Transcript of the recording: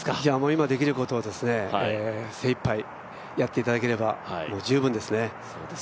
今できることを精いっぱいやっていただければもう十分ですね。